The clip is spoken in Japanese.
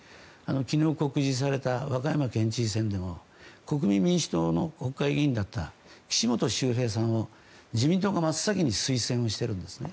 昨日、告示された和歌山県知事選でも国民民主党の国会議員だった方を自民党が真っ先に推薦してるんですね。